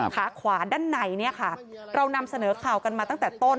ขาขวาด้านในเนี่ยค่ะเรานำเสนอข่าวกันมาตั้งแต่ต้น